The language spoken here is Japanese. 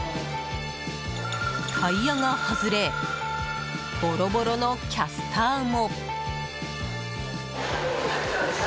タイヤが外れボロボロのキャスターも。